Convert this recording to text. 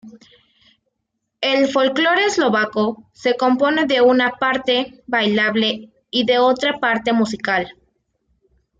El folclore eslovaco se compone de una parte bailable y de otra parte musical.